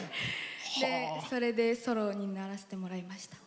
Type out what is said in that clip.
それでソロにならせてもらいました。